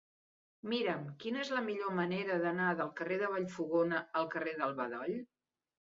Mira'm quina és la millor manera d'anar del carrer de Vallfogona al carrer del Bedoll.